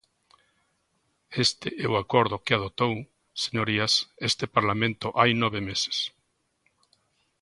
Este é o acordo que adoptou, señorías, este Parlamento hai nove meses.